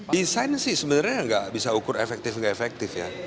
desain sih sebenarnya nggak bisa ukur efektif nggak efektif ya